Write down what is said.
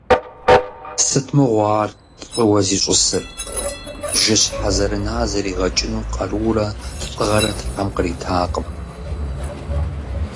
Сыт мыгъуэ ар лӀыуэ зищӀысыр, – бжыщхьэ зэрына зэригъэкӀыну къарурэ лӀыгъэрэ Тхьэм къритакъым.